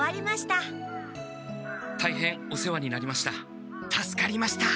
たいへんお世話になりました。